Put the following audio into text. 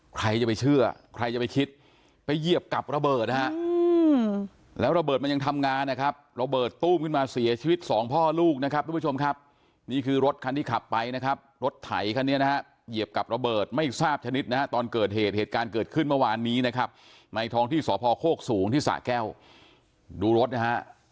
ใครจะไปเชื่อใครจะไปคิดไปเหยียบกับระเบิดนะฮะแล้วระเบิดมันยังทำงานนะครับระเบิดตู้มขึ้นมาเสียชีวิตสองพ่อลูกนะครับทุกผู้ชมครับนี่คือรถคันที่ขับไปนะครับรถไถคันนี้นะฮะเหยียบกับระเบิดไม่ทราบชนิดนะฮะตอนเกิดเหตุเหตุการณ์เกิดขึ้นเมื่อวานนี้นะครับในท้องที่สพโคกสูงที่สะแก้วดูรถนะฮะ